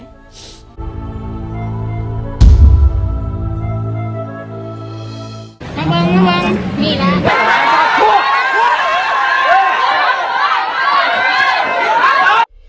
น้ำมันน้ำมันมีแล้ว